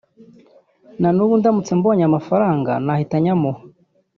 na n’ubu ndamutse mubonye amafaranga nahita nyamuha